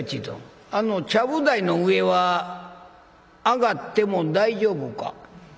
どんあのちゃぶ台の上は上がっても大丈夫か？」。